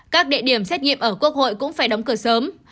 các địa điểm xét nghiệm ở quốc hội cũng phải đóng cửa sớm